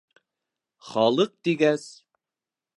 Халыҡ тигәс...